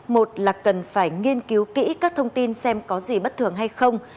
một là cần phải nghiên cứu kỹ các thông tin xem có gì bất thường hay không